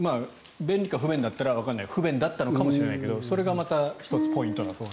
便利か不便だったらわからない不便だったのかもしれないけどそれがまた１つポイント。